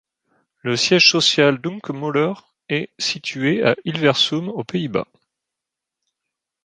Le siège social d’Hunkemöller est situé à Hilversum aux Pays-Bas.